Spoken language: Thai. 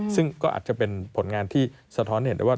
ซึ่งก็อาจจะเป็นผลงานที่สะท้อนเห็นได้ว่า